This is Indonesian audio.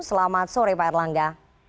selamat sore pak erlangga